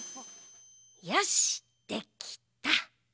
よしっできた！